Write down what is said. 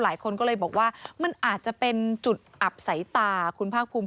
หลายคนก็เลยบอกว่ามันอาจจะเป็นจุดอับสายตาคุณภาคภูมิ